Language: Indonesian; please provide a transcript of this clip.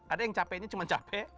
ada yang capeknya cuma capek